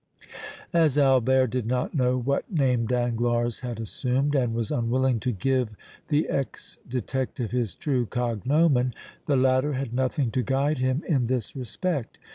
As Albert did not know what name Danglars had assumed and was unwilling to give the ex detective his true cognomen, the latter had nothing to guide him in this respect.